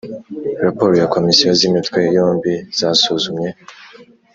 raporo ya Komisiyo z Imitwe yombi zasuzumye